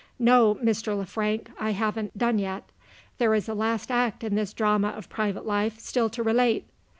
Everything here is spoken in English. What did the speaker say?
No, Mr. Le Frank! I haven't done yet. There is a last act in this drama of private life still to relate.